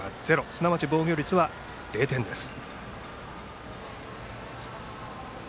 すなわち防御率は０点です。